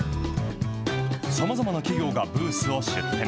さまざまな企業がブースを出展。